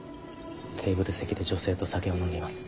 テーブル席で女性と酒を飲んでいます。